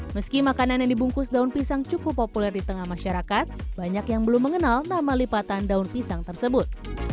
meski makanan yang dibungkus daun pisang cukup populer di tengah masyarakat banyak yang belum mengenal nama lipatan daun pisang tersebut